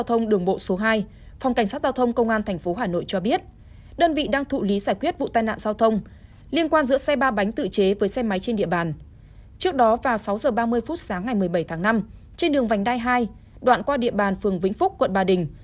trước đó vào sáu h ba mươi phút sáng ngày một mươi bảy tháng năm trên đường vành đai hai đoạn qua địa bàn phường vĩnh phúc quận ba đình